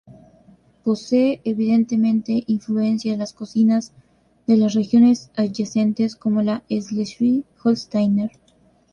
Posee evidentemente influencia de las cocinas de las regiones adyacentes como la Schleswig-Holsteiner.